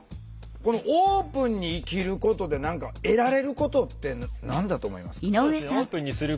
このオープンに生きることで何か得られることって何だと思いますか？